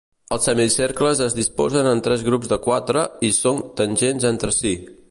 Els semicercles es disposen en tres grups de quatre, i són tangents entre si.